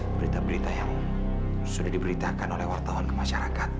berita berita yang sudah diberitakan oleh wartawan ke masyarakat